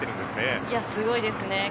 すごいですね。